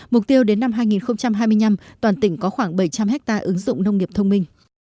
mục tiêu đến năm hai nghìn hai mươi năm toàn tỉnh có khoảng bảy trăm linh hectare ứng dụng nông nghiệp thông minh